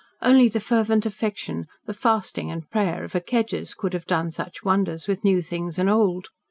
Only the fervent affection, the fasting and prayer of a Kedgers could have done such wonders with new things and old.